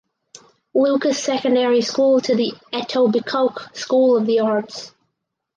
Lucas Secondary School to the Etobicoke School of the Arts.